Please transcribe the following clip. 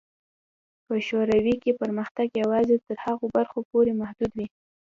په شوروي کې پرمختګ یوازې تر هغو برخو پورې محدود و.